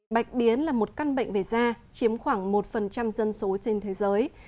bạch biến là một căn bệnh về da chiếm khoảng một dân số trên thế giới